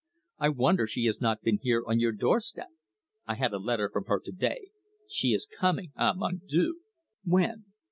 I wonder she has not been here on your door step." "I had a letter from her to day. She is coming ah, mon dieu!" "When?"